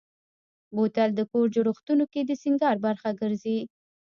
بوتل د کور جوړښتونو کې د سینګار برخه ګرځي.